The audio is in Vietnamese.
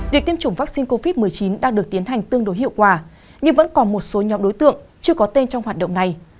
việc tiêm chủng vaccine covid một mươi chín đang được tiến hành tương đối hiệu quả nhưng vẫn còn một số nhóm đối tượng chưa có tên trong hoạt động này